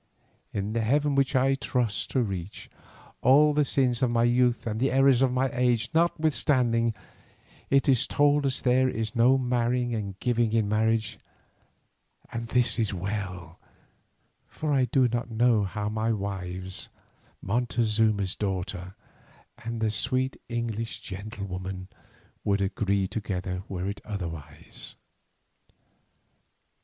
In the heaven which I trust to reach, all the sins of my youth and the errors of my age notwithstanding, it is told us there is no marrying and giving in marriage; and this is well, for I do not know how my wives, Montezuma's daughter and the sweet English gentlewoman, would agree together were it otherwise.